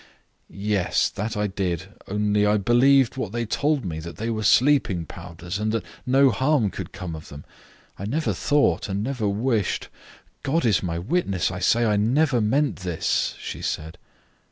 "Yes, that I did. Only I believed what they told me, that they were sleeping powders, and that no harm could come of them. I never thought, and never wished. .. God is my witness; I say, I never meant this," she said.